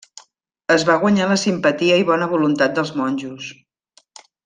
Es va guanyar la simpatia i bona voluntat dels monjos.